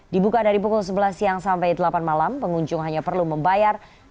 dibuka dari pukul sebelas siang sampai delapan malam pengunjung hanya perlu membayar